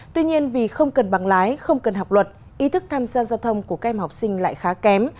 tuy nhiên vì không cần bằng lái không cần học luật ý thức tham gia giao thông của các em học sinh lại khá kém